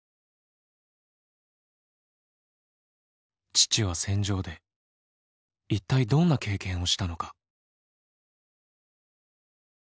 父は戦場で一体どんな経験をしたのか。